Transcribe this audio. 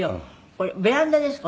「これベランダですか？